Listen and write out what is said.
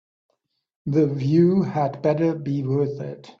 The view had better be worth it.